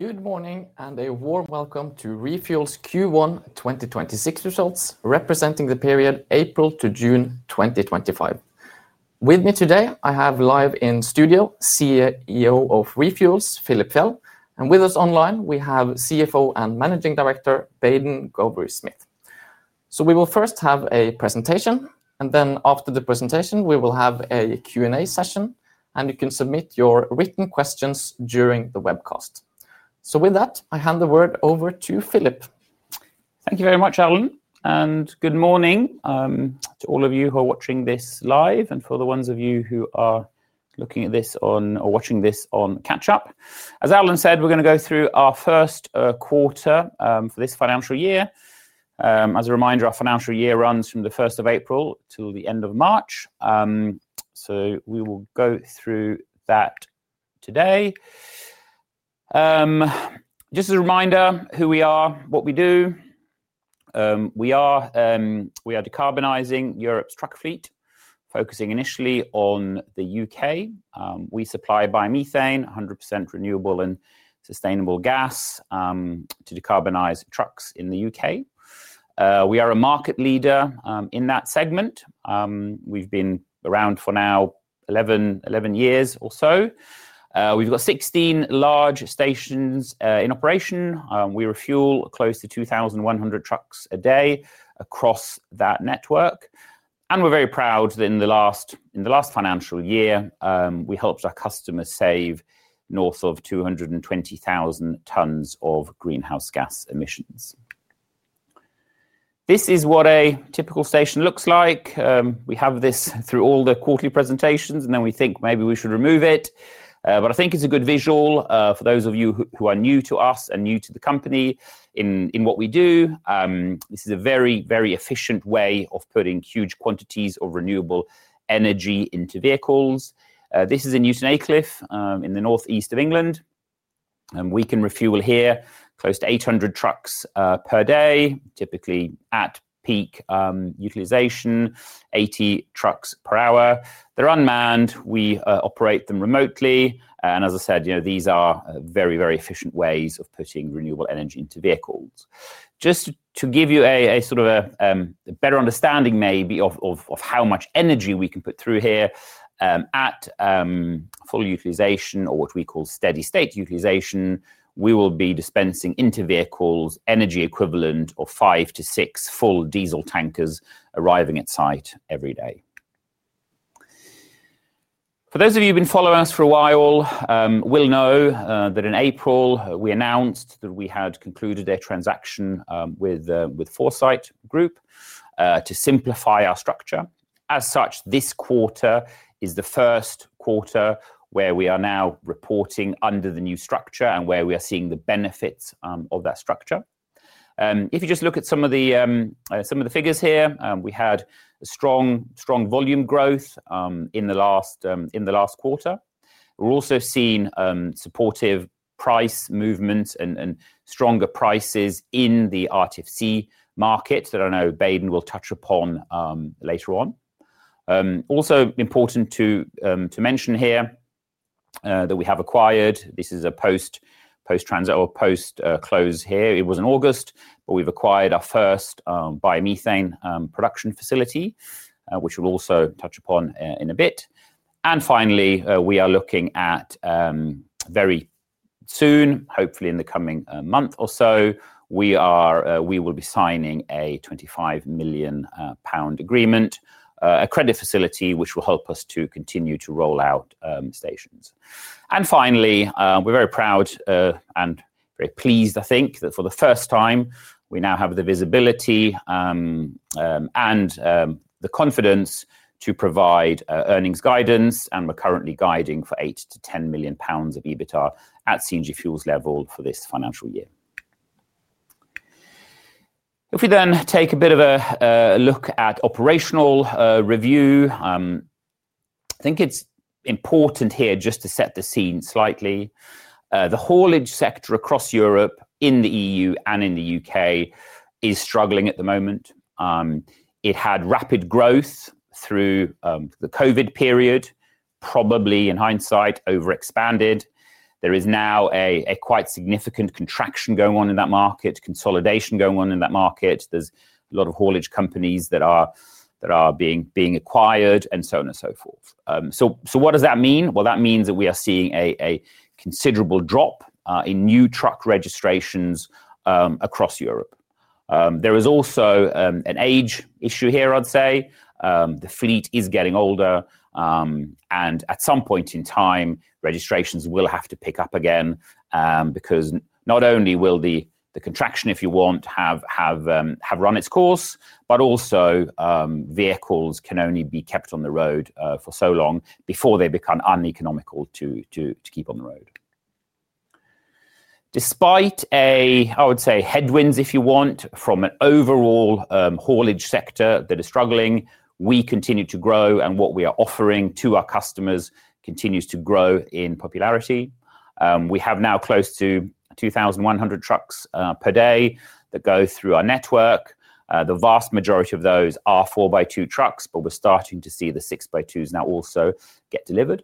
Good morning and a warm welcome to ReFuels' Q1 2026 results, representing the period April to June 2025. With me today, I have live in studio, CEO of ReFuels, Philip Fjeld, and with us online, we have CFO and Managing Director, Baden Gowrie-Smith. We will first have a presentation, and then after the presentation, we will have a Q&A session. You can submit your written questions during the webcast. With that, I hand the word over to Philip. Thank you very much, Alan, and good morning to all of you who are watching this live, and for the ones of you who are watching this on catch-up. As Alan said, we're going to go through our first quarter for this financial year. As a reminder, our financial year runs from the 1st of April to the end of March. We will go through that today. Just as a reminder, who we are, what we do. We are decarbonizing Europe's truck fleet, focusing initially on the U.K. We supply biomethane, 100% renewable and sustainable gas, to decarbonize trucks in the U.K. We are a market leader in that segment. We've been around for now 11 years or so. We've got 16 large stations in operation. We refuel close to 2,100 trucks a day across that network. We're very proud that in the last financial year, we helped our customers save north of 220,000 tons of greenhouse gas emissions. This is what a typical station looks like. We have this through all the quarterly presentations, and we think maybe we should remove it. I think it's a good visual for those of you who are new to us and new to the company in what we do. This is a very, very efficient way of putting huge quantities of renewable energy into vehicles. This is in Newton Acliff in the northeast of England. We can refuel here close to 800 trucks per day, typically at peak utilization, 80 trucks per hour. They're unmanned. We operate them remotely. These are very, very efficient ways of putting renewable energy into vehicles. Just to give you a sort of a better understanding maybe of how much energy we can put through here at full utilization, or what we call steady state utilization, we will be dispensing into vehicles energy equivalent of five to six full diesel tankers arriving at site every day. For those of you who've been following us for a while, you will know that in April, we announced that we had concluded a transaction with the Foresight Group to simplify our structure. This quarter is the first quarter where we are now reporting under the new structure and where we are seeing the benefits of that structure. If you just look at some of the figures here, we had strong volume growth in the last quarter. We're also seeing supportive price movements and stronger prices in the RTC market that I know Baden will touch upon later on. Also important to mention here that we have acquired, this is a post-close here, it was in August, but we've acquired our first biomethane production facility, which we'll also touch upon in a bit. Finally, we are looking at very soon, hopefully in the coming month or so, we will be signing a 25 million pound agreement, a credit facility which will help us to continue to roll out stations. Finally, we're very proud and very pleased, I think, that for the first time, we now have the visibility and the confidence to provide earnings guidance, and we're currently guiding for 8 million-10 million pounds of EBITDA at CNG Fuels level for this financial year. If we then take a bit of a look at operational review, I think it's important here just to set the scene slightly. The haulage sector across Europe in the EU and in the U.K. is struggling at the moment. It had rapid growth through the COVID period, probably in hindsight, overexpanded. There is now a quite significant contraction going on in that market, consolidation going on in that market. There's a lot of haulage companies that are being acquired and so on and so forth. That means that we are seeing a considerable drop in new truck registrations across Europe. There is also an age issue here, I'd say. The fleet is getting older, and at some point in time, registrations will have to pick up again because not only will the contraction, if you want, have run its course, but also vehicles can only be kept on the road for so long before they become uneconomical to keep on the road. Despite, I would say, headwinds, if you want, from an overall haulage sector that is struggling, we continue to grow and what we are offering to our customers continues to grow in popularity. We have now close to 2,100 trucks per day that go through our network. The vast majority of those are 4x2 trucks, but we're starting to see the 6x2s now also get delivered.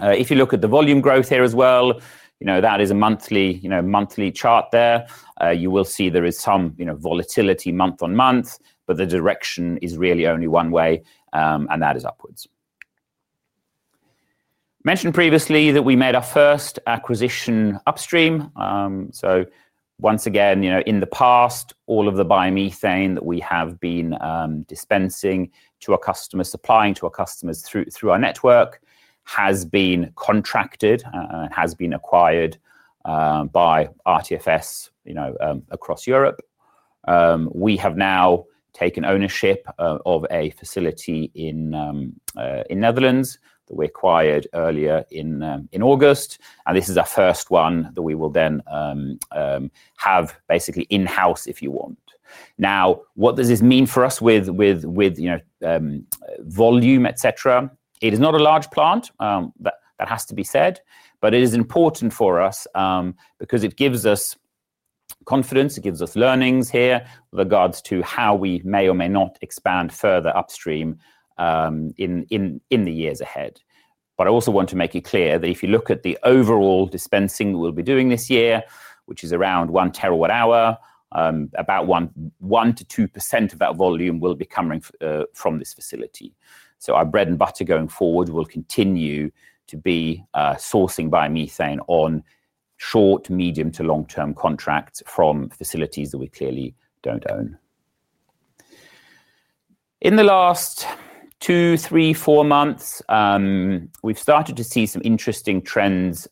If you look at the volume growth here as well, you know that is a monthly chart there. You will see there is some volatility month on month, but the direction is really only one way, and that is upwards. Mentioned previously that we made our first acquisition upstream. Once again, in the past, all of the biomethane that we have been dispensing to our customers, supplying to our customers through our network has been contracted and has been acquired by RTFS across Europe. We have now taken ownership of a facility in the Netherlands that we acquired earlier in August. This is our first one that we will then have basically in-house, if you want. Now, what does this mean for us with volume, et cetera? It is not a large plant, that has to be said, but it is important for us because it gives us confidence, it gives us learnings here with regards to how we may or may not expand further upstream in the years ahead. I also want to make it clear that if you look at the overall dispensing that we'll be doing this year, which is around one terawatt hour, about 1%-2% of that volume will be coming from this facility. Our bread and butter going forward will continue to be sourcing biomethane on short, medium to long-term contracts from facilities that we clearly don't own. In the last two, three, four months, we've started to see some interesting trends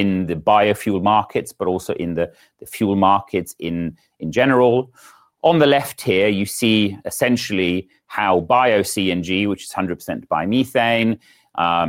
in the biofuel markets, but also in the fuel markets in general. On the left here, you see essentially how Bio-CNG, which is 100% biomethane,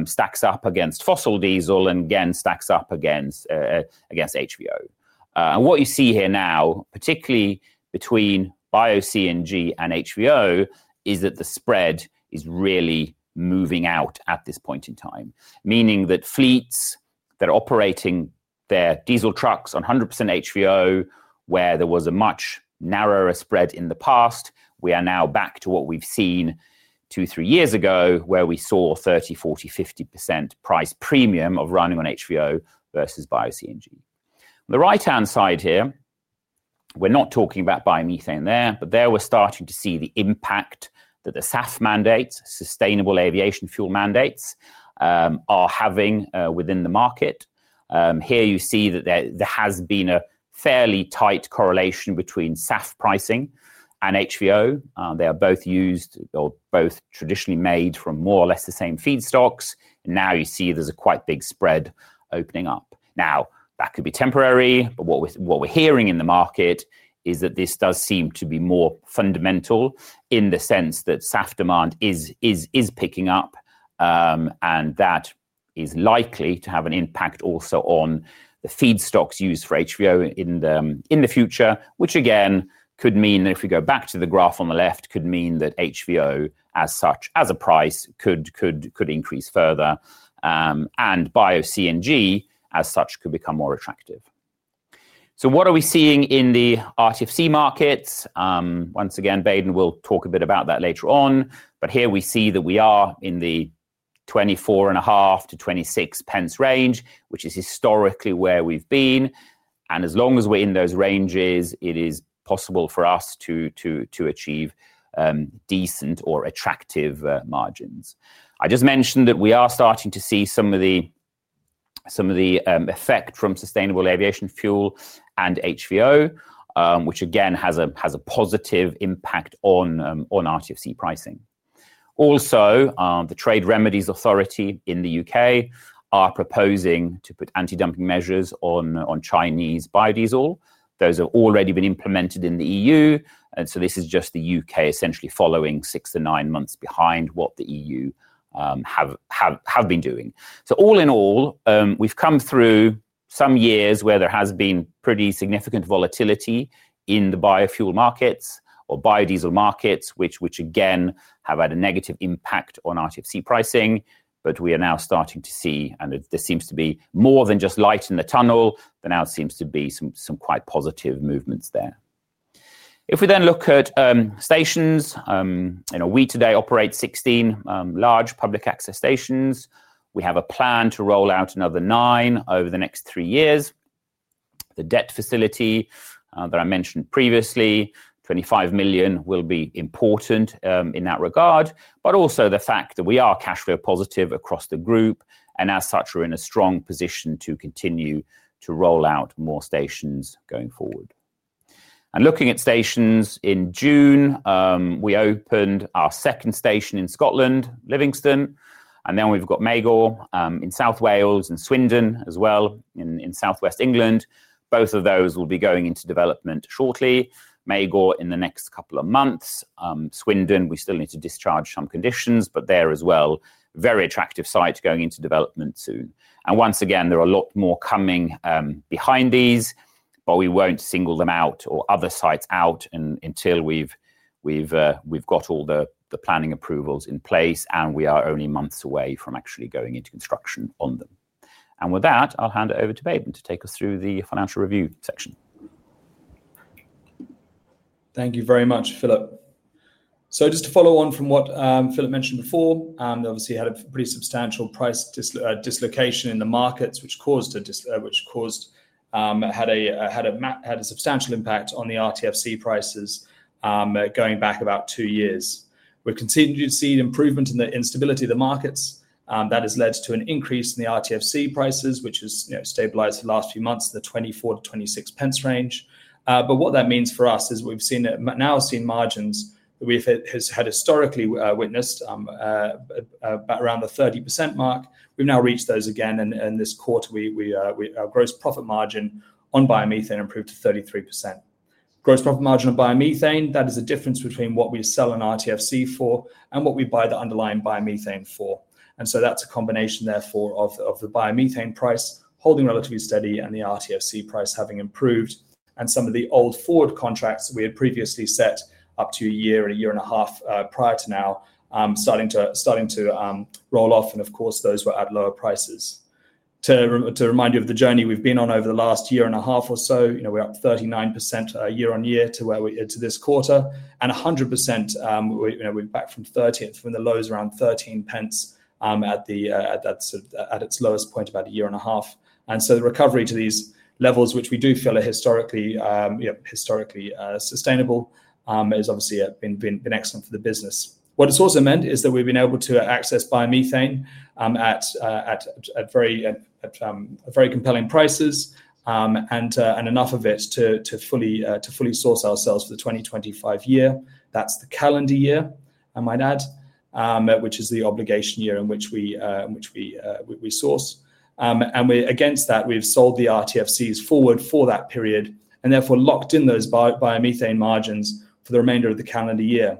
stacks up against fossil diesel and again stacks up against HVO. What you see here now, particularly between Bio-CNG and HVO, is that the spread is really moving out at this point in time, meaning that fleets that are operating their diesel trucks on 100% HVO, where there was a much narrower spread in the past, we are now back to what we've seen two, three years ago, where we saw 30%, 40%, 50% price premium of running on HVO versus Bio-CNG. On the right-hand side here, we're not talking about biomethane there, but there we're starting to see the impact that the SAF mandates, sustainable aviation fuel mandates, are having within the market. Here you see that there has been a fairly tight correlation between SAF pricing and HVO. They are both used or both traditionally made from more or less the same feedstocks. Now you see there's a quite big spread opening up. That could be temporary, but what we're hearing in the market is that this does seem to be more fundamental in the sense that SAF demand is picking up and that is likely to have an impact also on the feedstocks used for HVO in the future, which again could mean, if we go back to the graph on the left, could mean that HVO as such, as a price, could increase further. Bio-CNG, as such, could become more attractive. What are we seeing in the RTC markets? Once again, Baden will talk a bit about that later on, but here we see that we are in the 0.245-0.26 range, which is historically where we've been. As long as we're in those ranges, it is possible for us to achieve decent or attractive margins. I just mentioned that we are starting to see some of the effect from sustainable aviation fuel and HVO, which again has a positive impact on RTC pricing. Also, the Trade Remedies Authority in the U.K. are proposing to put anti-dumping measures on Chinese biodiesel. Those have already been implemented in the EU, and this is just the U.K. essentially following six to nine months behind what the EU have been doing. All in all, we've come through some years where there has been pretty significant volatility in the biofuel markets or biodiesel markets, which again have had a negative impact on RTC pricing. We are now starting to see, and this seems to be more than just light in the tunnel, but now seems to be some quite positive movements there. If we then look at stations, you know, we today operate 16 large public access stations. We have a plan to roll out another nine over the next three years. The debt facility that I mentioned previously, 25 million, will be important in that regard, but also the fact that we are cash flow positive across the group, and as such, we're in a strong position to continue to roll out more stations going forward. Looking at stations in June, we opened our second station in Scotland, Livingston, and then we've got Magor in South Wales and Swindon as well in Southwest England. Both of those will be going into development shortly. Magor in the next couple of months. Swindon, we still need to discharge some conditions, but there as well, very attractive site going into development soon. There are a lot more coming behind these, but we won't single them out or other sites out until we've got all the planning approvals in place, and we are only months away from actually going into construction on them. With that, I'll hand it over to Baden to take us through the financial review section. Thank you very much, Philip. Just to follow on from what Philip mentioned before, obviously had a pretty substantial price dislocation in the markets, which caused a substantial impact on the RTC prices going back about two years. We've continued to see an improvement in the instability of the markets. That has led to an increase in the RTC prices, which has stabilized the last few months in the 0.24-0.26 range. What that means for us is we've now seen margins that we've had historically witnessed about around the 30% mark. We've now reached those again, and this quarter, our gross profit margin on biomethane improved to 33%. Gross profit margin on biomethane is the difference between what we sell an RTC for and what we buy the underlying biomethane for. That's a combination therefore of the biomethane price holding relatively steady and the RTC price having improved. Some of the old forward contracts that we had previously set up a year and a year and a half prior are now starting to roll off, and of course those were at lower prices. To remind you of the journey we've been on over the last year and a half or so, we're up 39% year on year to where we are this quarter, and 100%, we're back from the lows around 0.13 at its lowest point about a year and a half ago. The recovery to these levels, which we do feel are historically sustainable, has obviously been excellent for the business. What it's also meant is that we've been able to access biomethane at very compelling prices and enough of it to fully source ourselves for the 2025 year. That's the calendar year, I might add, which is the obligation year in which we source. Against that, we've sold the RTCs forward for that period and therefore locked in those biomethane margins for the remainder of the calendar year.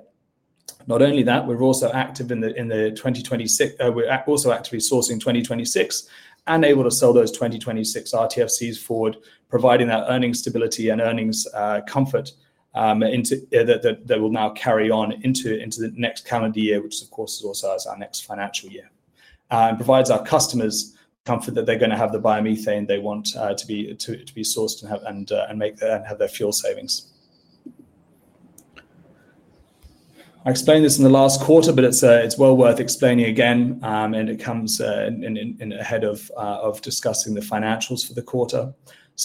Not only that, we're also active in 2026, we're also actively sourcing 2026 and able to sell those 2026 RTCs forward, providing that earning stability and earnings comfort that will now carry on into the next calendar year, which of course is also our next financial year. It provides our customers comfort that they're going to have the biomethane they want to be sourced and have their fuel savings. I explained this in the last quarter, but it's well worth explaining again, and it comes ahead of discussing the financials for the quarter.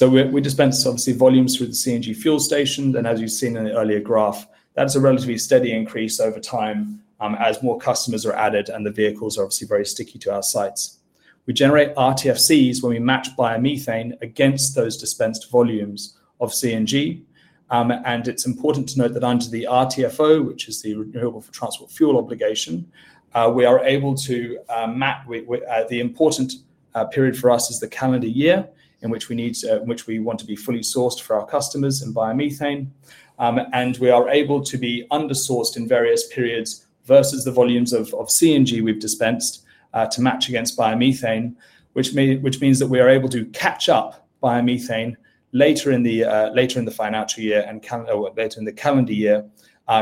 We dispense obviously volumes through the CNG Fuels station, and as you've seen in the earlier graph, that's a relatively steady increase over time as more customers are added and the vehicles are obviously very sticky to our sites. We generate RTCs when we match biomethane against those dispensed volumes of CNG, and it's important to note that under the RTFO, which is the Renewable Transport Fuel Obligation, we are able to map the important period for us as the calendar year in which we want to be fully sourced for our customers in biomethane. We are able to be undersourced in various periods versus the volumes of CNG we've dispensed to match against biomethane, which means that we are able to catch up biomethane later in the financial year and later in the calendar year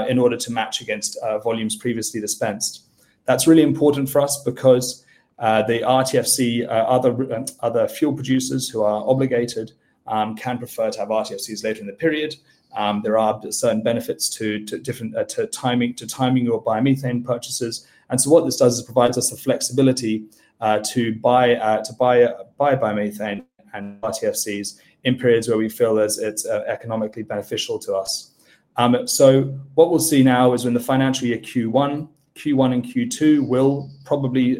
in order to match against volumes previously dispensed. That's really important for us because the RTC, other fuel producers who are obligated can prefer to have RTCs later in the period. There are certain benefits to timing your biomethane purchases. What this does is it provides us the flexibility to buy biomethane and RTCs in periods where we feel it's economically beneficial to us. What we'll see now is in the financial year Q1, Q1 and Q2 will probably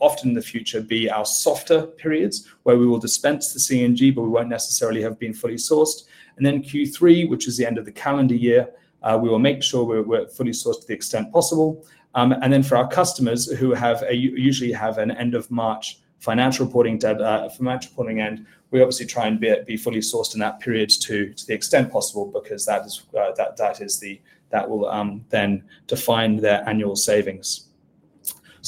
often in the future be our softer periods where we will dispense the CNG, but we won't necessarily have been fully sourced. Q3, which is the end of the calendar year, we will make sure we're fully sourced to the extent possible. For our customers who usually have an end of March financial reporting end, we obviously try and be fully sourced in that period to the extent possible because that will then define their annual savings.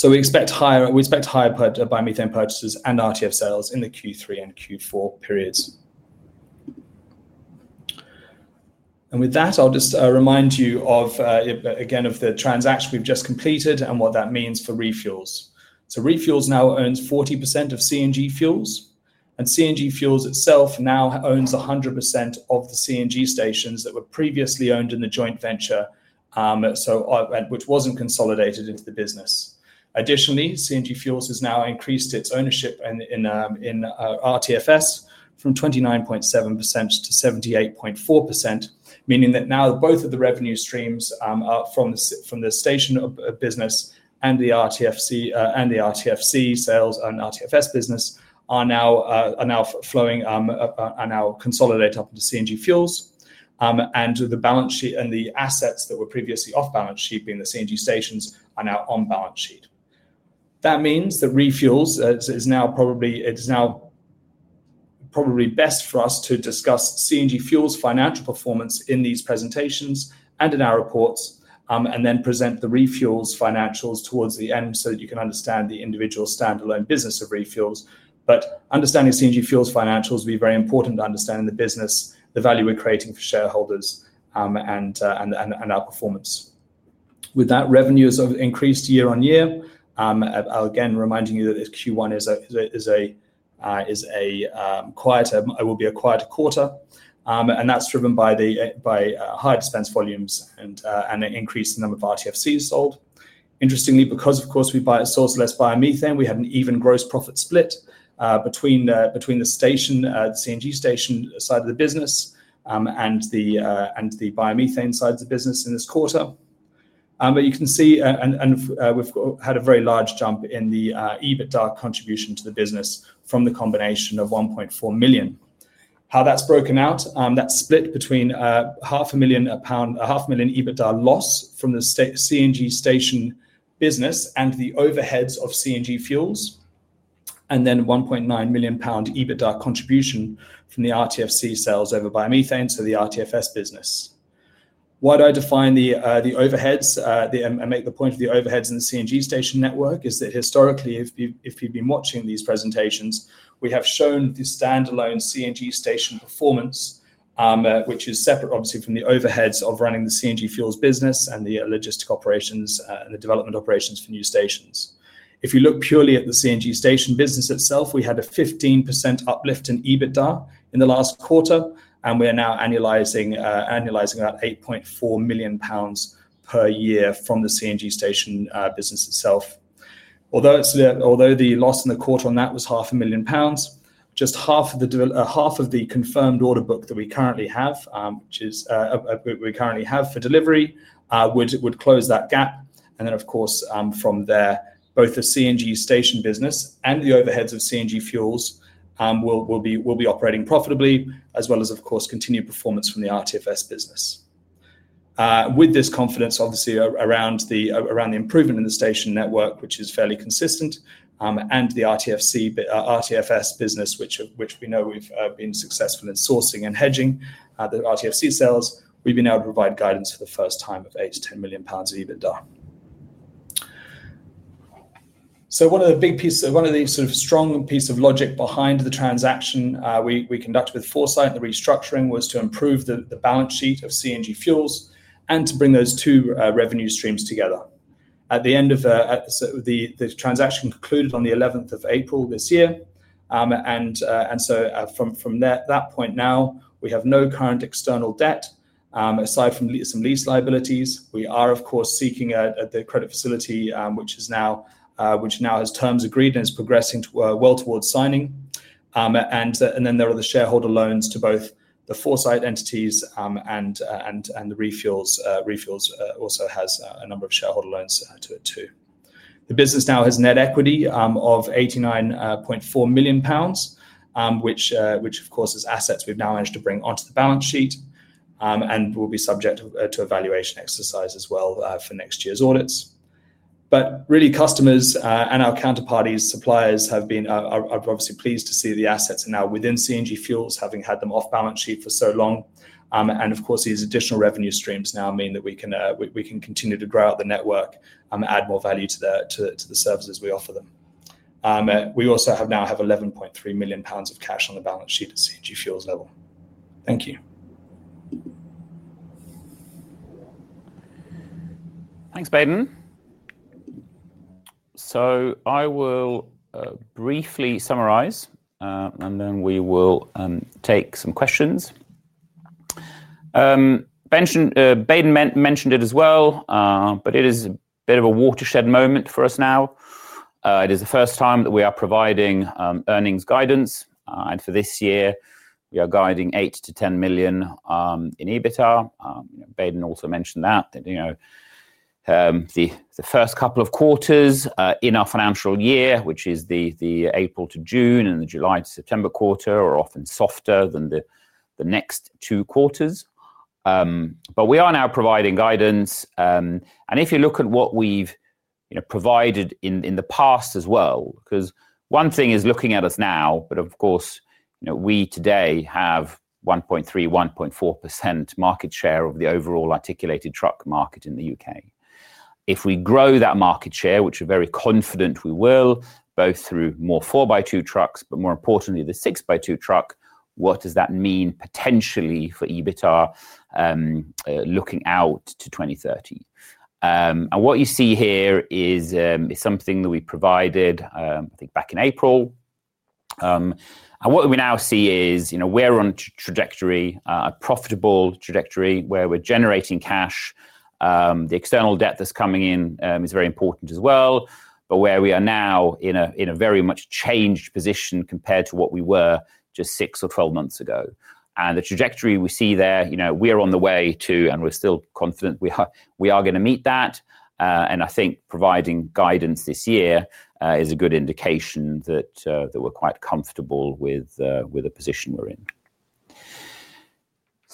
We expect higher biomethane purchases and RTC sales in the Q3 and Q4 periods. With that, I'll just remind you again of the transaction we've just completed and what that means for ReFuels. ReFuels now owns 40% of CNG Fuels, and CNG Fuels itself now owns 100% of the CNG stations that were previously owned in the joint venture, which wasn't consolidated into the business. Additionally, CNG Fuels has now increased its ownership in RTFS from 29.7% to 78.4%, meaning that now both of the revenue streams from the station business and the RTC sales and RTFS business are now flowing, are now consolidated up into CNG Fuels. The balance sheet and the assets that were previously off-balance-sheet, being the CNG stations, are now on balance sheet. That means that ReFuels is now probably, it is now probably best for us to discuss CNG Fuels' financial performance in these presentations and in our reports, and then present the ReFuels financials towards the end so that you can understand the individual standalone business of ReFuels. Understanding CNG Fuels' financials will be very important to understand the business, the value we're creating for shareholders, and our performance. With that, revenue has increased year on year. I'll again remind you that Q1 is a quieter, it will be a quieter quarter. That's driven by higher dispense volumes and an increase in the number of RTC sold. Interestingly, because of course we source less biomethane, we had an even gross profit split between the CNG station side of the business and the biomethane side of the business in this quarter. You can see, and we've had a very large jump in the EBITDA contribution to the business from the combination of 1.4 million. How that's broken out, that's split between 500,000 EBITDA loss from the CNG station business and the overheads of CNG Fuels, and then 1.9 million pound EBITDA contribution from the RTFC sales over biomethane to the RTFS business. Why do I define the overheads and make the point of the overheads in the CNG station network is that historically, if you've been watching these presentations, we have shown the standalone CNG station performance, which is separate obviously from the overheads of running the CNG Fuels business and the logistic operations and the development operations for new stations. If you look purely at the CNG station business itself, we had a 15% uplift in EBITDA in the last quarter, and we are now annualizing about 8.4 million pounds per year from the CNG station business itself. Although the loss in the quarter on that was 500,000 pounds, just half of the confirmed order book that we currently have, which is a book we currently have for delivery, would close that gap. From there, both the CNG station business and the overheads of CNG Fuels will be operating profitably, as well as continued performance from the RTFS business. With this confidence, obviously around the improvement in the station network, which is fairly consistent, and the RTFS business, which we know we've been successful in sourcing and hedging the RTC sales, we've been able to provide guidance for the first time of 8 million-10 million pounds of EBITDA. One of the big pieces, one of the sort of strong pieces of logic behind the transaction we conducted with Foresight and the restructuring was to improve the balance sheet of CNG Fuels and to bring those two revenue streams together. The transaction concluded on April 11, 2026, and from that point now, we have no current external debt, aside from some lease liabilities. We are, of course, seeking the credit facility, which now has terms agreed and is progressing well towards signing. There are the shareholder loans to both the Foresight entities, and ReFuels also has a number of shareholder loans to it too. The business now has net equity of 89.4 million pounds, which, of course, is assets we've now managed to bring onto the balance sheet and will be subject to evaluation exercise as well for next year's audits. Customers and our counterparties, suppliers have been obviously pleased to see the assets are now within CNG Fuels, having had them off balance sheet for so long. These additional revenue streams now mean that we can continue to grow out the network and add more value to the services we offer them. We also now have 11.3 million pounds of cash on the balance sheet at CNG Fuels level. Thank you. Thanks, Baden. I will briefly summarize and then we will take some questions. Baden mentioned it as well, but it is a bit of a watershed moment for us now. It is the first time that we are providing earnings guidance, and for this year, we are guiding 8 million-10 million in EBITDA. Baden also mentioned that the first couple of quarters in our financial year, which is the April to June and the July to September quarter, are often softer than the next two quarters. We are now providing guidance, and if you look at what we've provided in the past as well, because one thing is looking at us now, but, of course, we today have 1.3%, 1.4% market share of the overall articulated truck segment in the U.K. If we grow that market share, which we're very confident we will, both through more 4x2 trucks, but more importantly, the 6x2 truck, what does that mean potentially for EBITDA looking out to 2030? What you see here is something that we provided, I think, back in April. What we now see is, you know, we're on a trajectory, a profitable trajectory where we're generating cash. The external debt that's coming in is very important as well, but we are now in a very much changed position compared to what we were just six or 12 months ago. The trajectory we see there, you know, we're on the way to, and we're still confident we are going to meet that. I think providing guidance this year is a good indication that we're quite comfortable with the position we're in.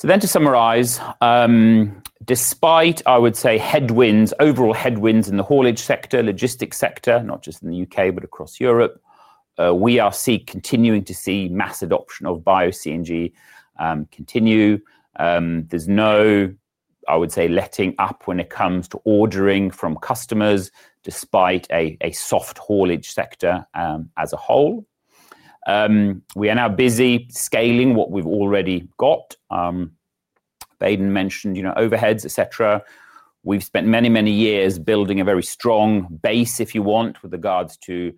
To summarize, despite, I would say, headwinds, overall headwinds in the haulage sector, logistics sector, not just in the U.K., but across Europe, we are continuing to see mass adoption of Bio-CNG continue. There's no, I would say, letting up when it comes to ordering from customers, despite a soft haulage sector as a whole. We are now busy scaling what we've already got. Baden mentioned, you know, overheads, et cetera. We've spent many, many years building a very strong base, if you want, with regards to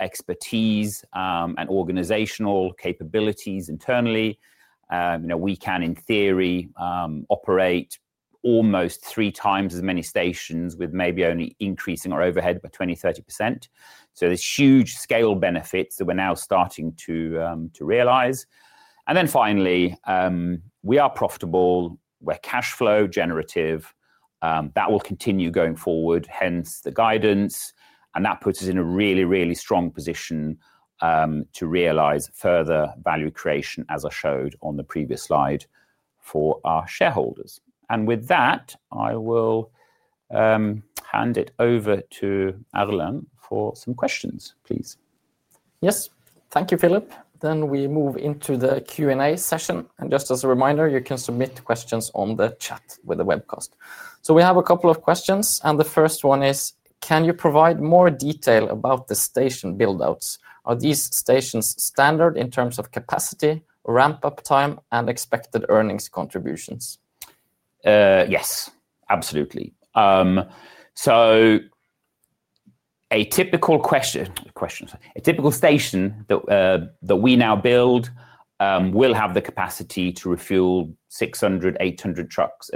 expertise and organizational capabilities internally. We can, in theory, operate almost three times as many stations with maybe only increasing our overhead by 20%-30%. There's huge scale benefits that we're now starting to realize. Finally, we are profitable. We're cash flow generative. That will continue going forward, hence the guidance. That puts us in a really, really strong position to realize further value creation, as I showed on the previous slide, for our shareholders. With that, I will hand it over to Alan for some questions, please. Yes, thank you, Philip. We move into the Q&A session. Just as a reminder, you can submit questions on the chat with the webcast. We have a couple of questions. The first one is, can you provide more detail about the station buildouts? Are these stations standard in terms of capacity, ramp-up time, and expected earnings contributions? Yes, absolutely. A typical station that we now build will have the capacity to refuel 600-800 trucks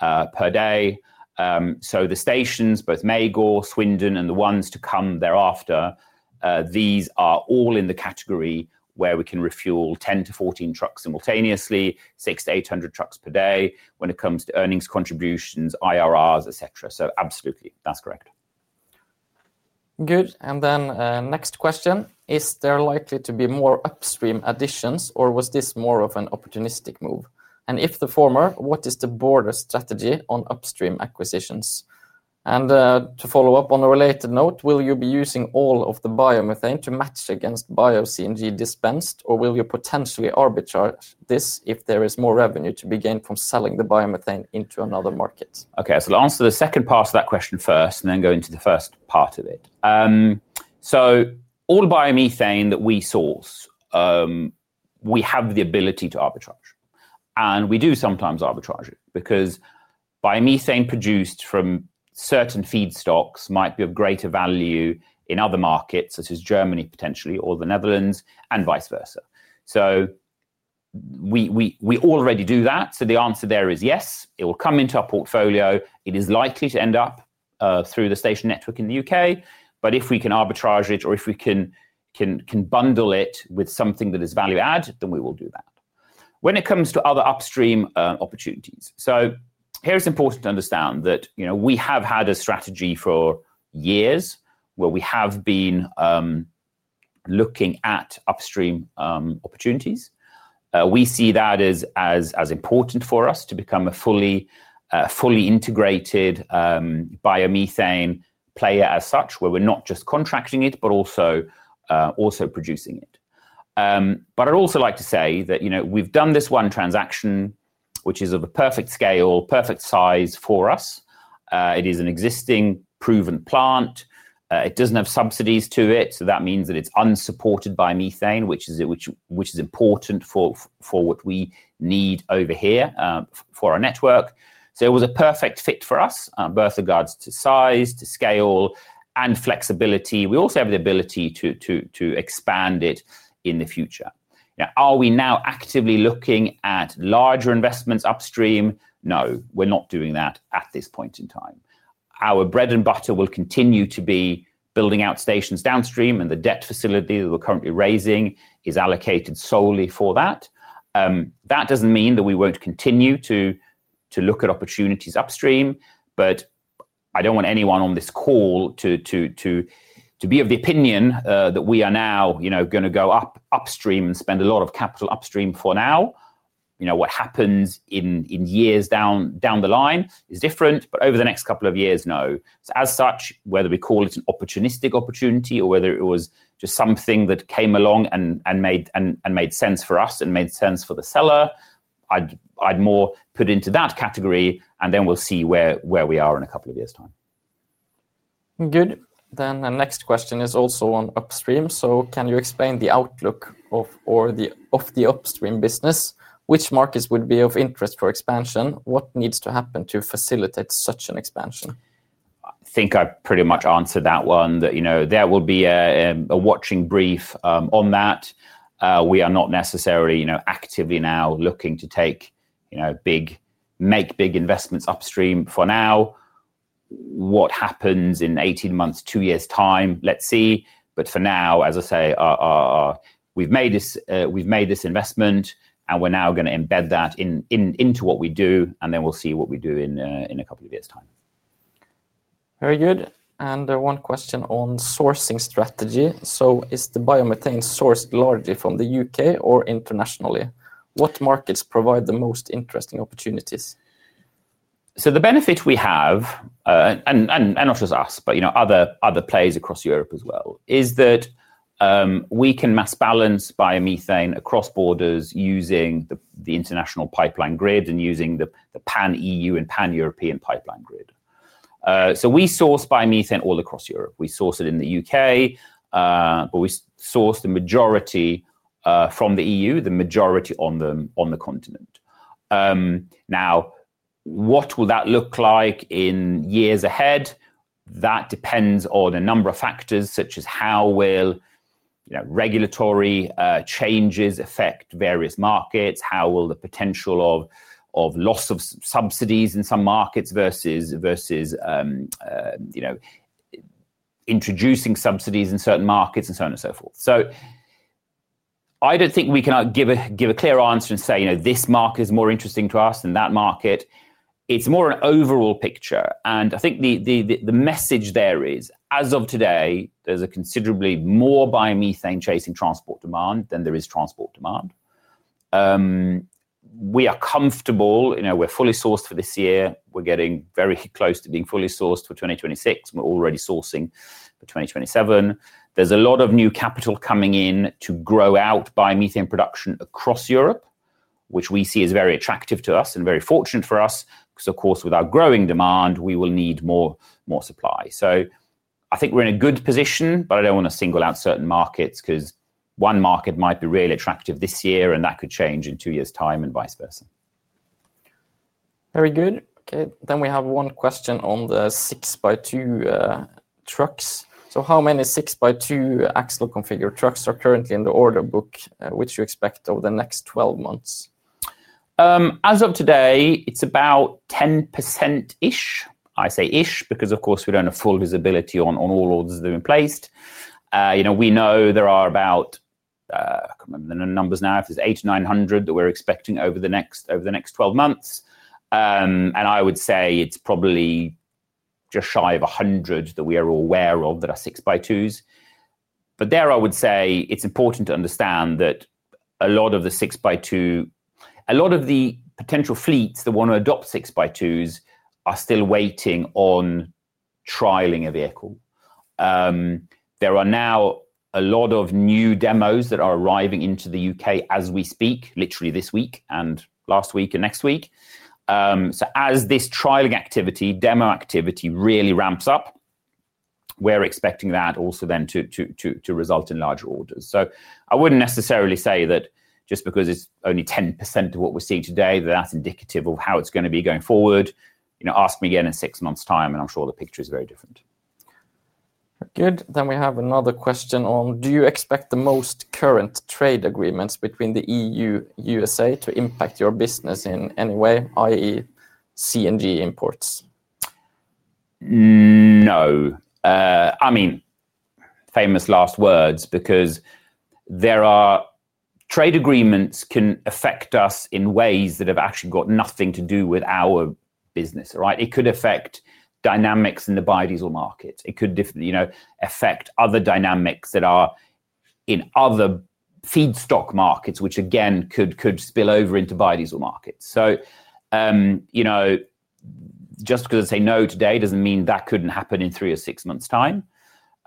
per day. The stations, both Magor, Swindon, and the ones to come thereafter, are all in the category where we can refuel 10-14 trucks simultaneously, 600-800 trucks per day when it comes to earnings contributions, IRRs, et cetera. Absolutely, that's correct. Good. Is there likely to be more upstream additions, or was this more of an opportunistic move? If the former, what is the broader strategy on upstream acquisitions? To follow up on a related note, will you be using all of the biomethane to match against Bio-CNG dispensed, or will you potentially arbitrage this if there is more revenue to be gained from selling the biomethane into another market? Okay, I'll answer the second part of that question first and then go into the first part of it. All the biomethane that we source, we have the ability to arbitrage. We do sometimes arbitrage it because biomethane produced from certain feedstocks might be of greater value in other markets, such as Germany potentially, or the Netherlands, and vice versa. We already do that. The answer there is yes, it will come into our portfolio. It is likely to end up through the station network in the U.K. If we can arbitrage it, or if we can bundle it with something that is value-add, then we will do that. When it comes to other upstream opportunities, here it's important to understand that we have had a strategy for years where we have been looking at upstream opportunities. We see that as important for us to become a fully integrated biomethane player as such, where we're not just contracting it, but also producing it. I'd also like to say that we've done this one transaction, which is of a perfect scale, perfect size for us. It is an existing proven plant. It doesn't have subsidies to it. That means that it's unsupported biomethane, which is important for what we need over here for our network. It was a perfect fit for us, both in regards to size, to scale, and flexibility. We also have the ability to expand it in the future. Are we now actively looking at larger investments upstream? No, we're not doing that at this point in time. Our bread and butter will continue to be building out stations downstream, and the debt facility that we're currently raising is allocated solely for that. That doesn't mean that we won't continue to look at opportunities upstream, but I don't want anyone on this call to be of the opinion that we are now going to go upstream and spend a lot of capital upstream for now. What happens in years down the line is different, but over the next couple of years, no. Whether we call it an opportunistic opportunity or whether it was just something that came along and made sense for us and made sense for the seller, I'd more put it into that category, and then we'll see where we are in a couple of years' time. The next question is also on upstream. Can you explain the outlook of the upstream business? Which markets would be of interest for expansion? What needs to happen to facilitate such an expansion? I think I've pretty much answered that one, that there will be a watching brief on that. We are not necessarily actively now looking to make big investments upstream for now. What happens in 18 months, two years' time, let's see. For now, as I say, we've made this investment, and we're now going to embed that into what we do, and then we'll see what we do in a couple of years' time. Very good. One question on sourcing strategy. Is the biomethane sourced largely from the U.K. or internationally? What markets provide the most interesting opportunities? The benefit we have, and not just us, but other players across Europe as well, is that we can mass balance biomethane across borders using the international pipeline grid and using the pan-EU and pan-European pipeline grid. We source biomethane all across Europe. We source it in the U.K., but we source the majority from the EU, the majority on the continent. What will that look like in years ahead? That depends on a number of factors, such as how regulatory changes will affect various markets, how the potential of loss of subsidies in some markets versus introducing subsidies in certain markets, and so on and so forth. I don't think we can give a clear answer and say this market is more interesting to us than that market. It's more an overall picture. I think the message there is, as of today, there's considerably more biomethane tracing transport demand than there is transport demand. We are comfortable, we're fully sourced for this year. We're getting very close to being fully sourced for 2026. We're already sourcing for 2027. There's a lot of new capital coming in to grow out biomethane production across Europe, which we see as very attractive to us and very fortunate for us, because with our growing demand, we will need more supply. I think we're in a good position, but I don't want to single out certain markets because one market might be really attractive this year, and that could change in two years' time and vice versa. Very good. Okay, we have one question on the 6x2 trucks. How many 6x2 axle configured trucks are currently in the order book, which you expect over the next 12 months? As of today, it's about 10%-ish. I say "ish" because of course we don't have full visibility on all orders that are in place. You know, we know there are about, I can't remember the numbers now, if it's 800-900 that we're expecting over the next 12 months. I would say it's probably just shy of 100 that we are aware of that are 6x2s. I would say it's important to understand that a lot of the 6x2, a lot of the potential fleets that want to adopt 6x2s are still waiting on trialing a vehicle. There are now a lot of new demos that are arriving into the U.K. as we speak, literally this week, last week, and next week. As this trialing activity, demo activity really ramps up, we're expecting that also then to result in larger orders. I wouldn't necessarily say that just because it's only 10% of what we're seeing today, that's indicative of how it's going to be going forward. You know, ask me again in six months' time, and I'm sure the picture is very different. Good. We have another question on, do you expect the most current trade agreements between the EU and USA to impact your business in any way, i.e., CNG imports? No. I mean, famous last words, because there are trade agreements that can affect us in ways that have actually got nothing to do with our business, right? It could affect dynamics in the biodiesel market. It could affect other dynamics that are in other feedstock markets, which again could spill over into biodiesel markets. Just because I say no today doesn't mean that couldn't happen in three or six months' time.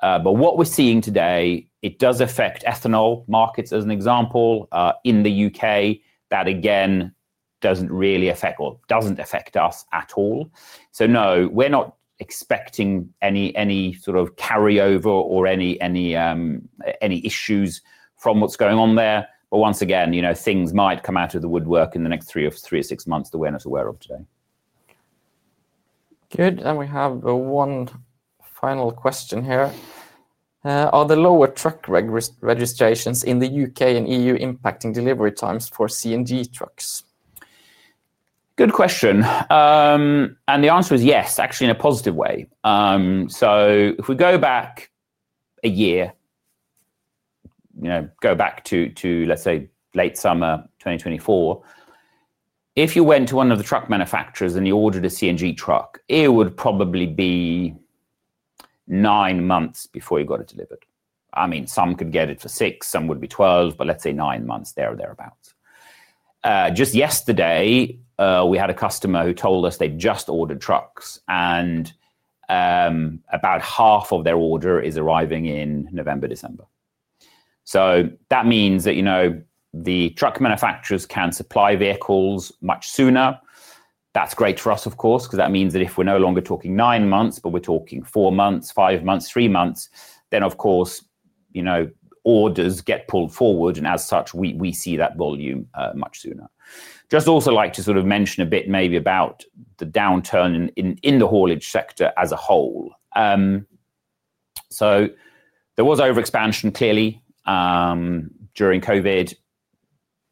What we're seeing today, it does affect ethanol markets as an example in the U.K. That again doesn't really affect or doesn't affect us at all. No, we're not expecting any sort of carryover or any issues from what's going on there. Once again, things might come out of the woodwork in the next three or six months that we're not aware of today. Good. We have one final question here. Are the lower truck registrations in the U.K. and EU impacting delivery times for CNG trucks? Good question. The answer is yes, actually in a positive way. If we go back a year, go back to let's say late summer 2024, if you went to one of the truck manufacturers and you ordered a CNG truck, it would probably be nine months before you got it delivered. Some could get it for six, some would be 12, but let's say nine months there or thereabouts. Just yesterday, we had a customer who told us they'd just ordered trucks, and about half of their order is arriving in November, December. That means that the truck manufacturers can supply vehicles much sooner. That's great for us, of course, because that means that if we're no longer talking nine months, but we're talking four months, five months, three months, then orders get pulled forward, and as such, we see that volume much sooner. I'd also like to mention a bit maybe about the downturn in the haulage sector as a whole. There was over-expansion clearly during COVID.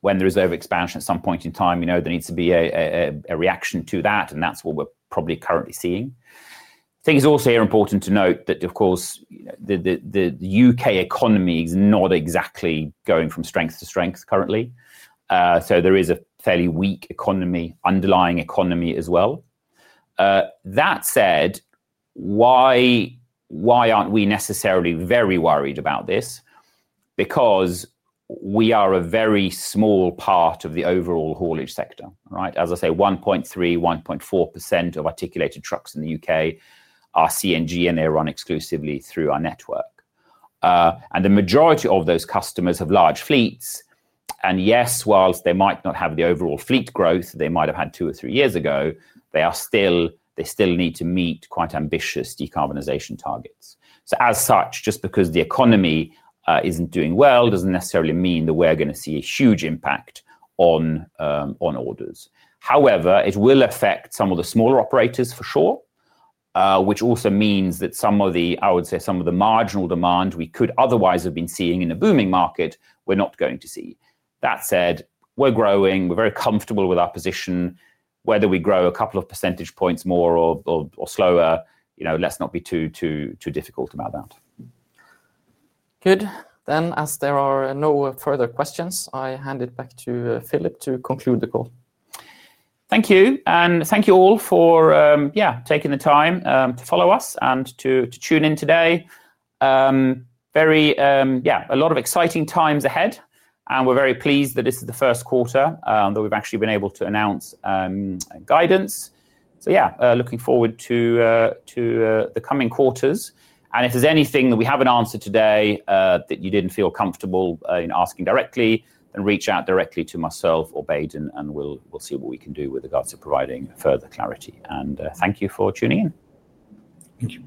When there is over-expansion at some point in time, there needs to be a reaction to that, and that's what we're probably currently seeing. I think it's also important to note that the U.K. economy is not exactly going from strength to strength currently. There is a fairly weak economy, underlying economy as well. That said, why aren't we necessarily very worried about this? We are a very small part of the overall haulage sector, right? As I say, 1.3%, 1.4% of articulated trucks in the U.K. are CNG, and they run exclusively through our network. The majority of those customers have large fleets. Yes, whilst they might not have the overall fleet growth that they might have had two or three years ago, they still need to meet quite ambitious decarbonization targets. As such, just because the economy isn't doing well, doesn't necessarily mean that we're going to see a huge impact on orders. However, it will affect some of the smaller operators for sure, which also means that some of the, I would say, some of the marginal demand we could otherwise have been seeing in a booming market, we're not going to see. That said, we're growing, we're very comfortable with our position. Whether we grow a couple of percentage points more or slower, let's not be too difficult about that. As there are no further questions, I hand it back to Philip to conclude the call. Thank you, and thank you all for taking the time to follow us and to tune in today. A lot of exciting times ahead, and we're very pleased that this is the first quarter that we've actually been able to announce guidance. Looking forward to the coming quarters. If there's anything that we haven't answered today that you didn't feel comfortable asking directly, then reach out directly to myself or Baden, and we'll see what we can do with regards to providing further clarity. Thank you for tuning in. Thank you.